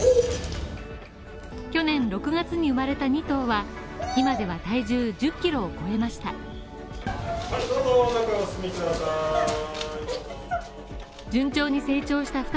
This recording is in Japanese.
去年６月に生まれた２頭は、今では体重１０キロを超えました。